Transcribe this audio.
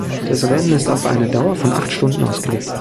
Das Rennen ist auf eine Dauer von acht Stunden ausgelegt.